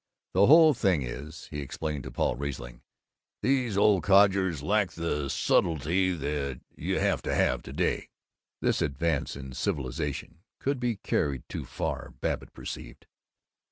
"The whole thing is," he explained to Paul Riesling, "these old codgers lack the subtlety that you got to have to day." This advance in civilization could be carried too far, Babbitt perceived.